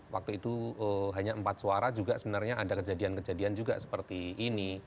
waktu itu hanya empat suara juga sebenarnya ada kejadian kejadian juga seperti ini